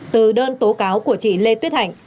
từ đơn tố cáo của chị lê tuyết hạnh